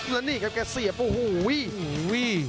แล้วนี่ครับแกเสียบโอ้โห